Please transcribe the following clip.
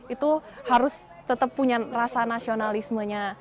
itu harus tetap punya rasa nasionalismenya